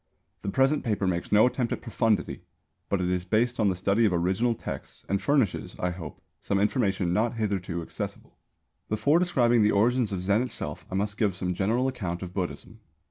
The present paper makes no attempt at profundity, but it is based on the study of original texts and furnishes, I hope, some information not hitherto accessible. Before describing the origins of Zen itself I must give some general account of Buddhism.